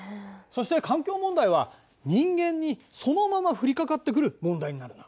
そして環境問題は人間にそのまま降りかかってくる問題になるんだ。